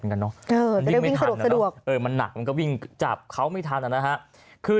เป็นกันเนอะมันหนักก็วิ่งจับเขาไม่ทันอ่ะนะครับ